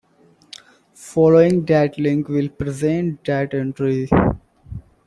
Following that link will present that entry.